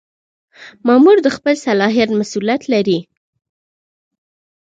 مامور د خپل صلاحیت مسؤلیت لري.